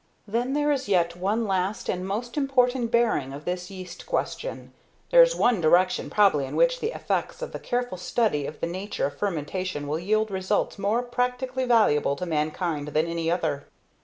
Then there is yet one last and most important bearing of this yeast question. There is one direction probably in which the effects of the careful study of the nature of fermentation will yield results more practically valuable to mankind than any other.